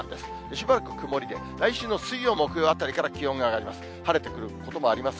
しばらく曇りで、来週の水曜、木曜あたりから、気温が上がります。